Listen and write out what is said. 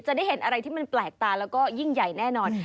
จะได้เห็นอะไรที่มันแปลกตาแล้วก็ยิ่งใหญ่แน่นอน